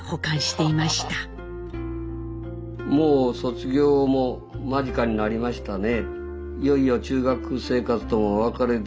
「もう卒業もまじかになりましたね」。